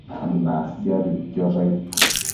Nasiaduidquiosh aid